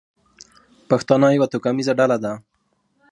پښتانه یوه توکمیزه ډله ده.